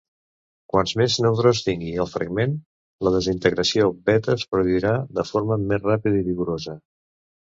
Quants més neutrons tingui el fragment, la desintegració beta es produirà de forma més ràpida i vigorosa.